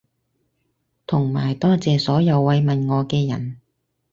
同埋多謝所有慰問我嘅人